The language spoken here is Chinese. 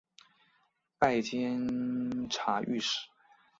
拜监察御史。